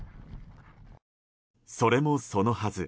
それもそのはず。